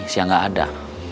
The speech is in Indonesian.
saya gak ada